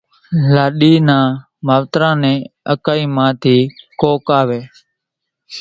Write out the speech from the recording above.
لاڏي نان ماوتران نِي اڪائي مان ٿي ڪونڪ آوين،